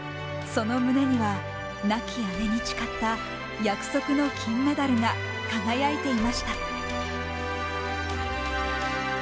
その胸には亡き姉に誓った約束の金メダルが輝いていました。